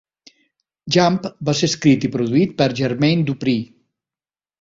"Jump" va ser escrit i produït per Jermaine Dupri.